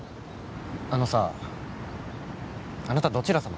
あのさあなたどちら様？